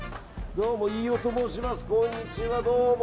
どうも、飯尾と申します。